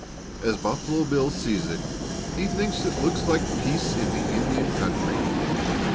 AS BUFFALO BILL SEES IT. HE THINKS IT LOOKS LIKE PEACE IN THE INDIAN COUNTRY.